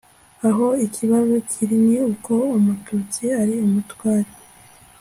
aho ikibazo kiri ni uko umututsi ari umutware